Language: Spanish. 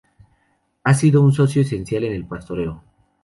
Ha sido un socio esencial en el pastoreo.